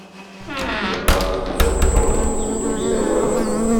Ssutreɣ-as uḍḍun-nnes n usawal.